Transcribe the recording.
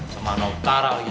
sama nautara lagi